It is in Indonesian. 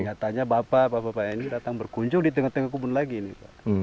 nyatanya bapak bapak ini datang berkunjung di tengah tengah kubun lagi ini pak